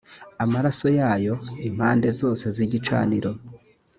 amaraso yayo impande zose z igicaniro